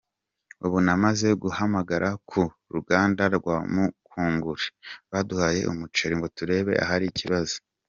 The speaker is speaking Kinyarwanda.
Ubu namaze guhamagara ku ruganda rwa Mukunguri baduhaye umuceri ngo turebe ahari ikibazo.